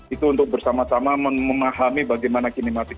itu untuk bersama sama memahami bagaimana kinematik